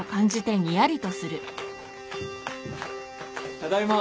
ただいま。